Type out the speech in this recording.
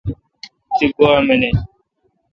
تی گوا منیل